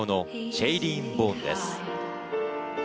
シェイリーン・ボーンです。